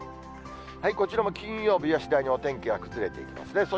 こちらも金曜日は次第にお天気が崩れていきますね。